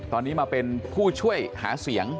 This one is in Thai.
ตอนนี้มาเป็นผู้ช่วยหาเสียง